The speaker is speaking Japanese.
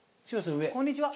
こんにちは。